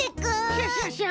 クシャシャシャ！